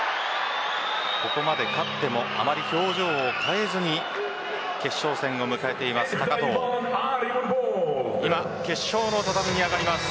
ここまで勝ってもあまり表情を変えずに決勝戦を迎えています高藤です。